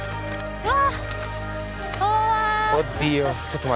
うわ！